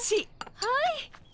はい。